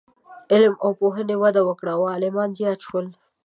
علم او پوهنې وده وکړه او عالمان زیات شول.